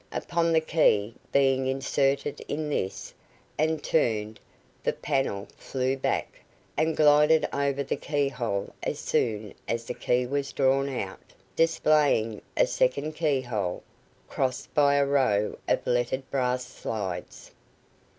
Upon the key being inserted in this, and turned, the panel flew back, and glided over the key hole as soon as the key was drawn out, displaying a second key hole, crossed by a row of lettered brass slides.